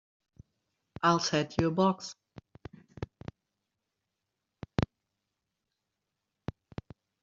I'll send you a box.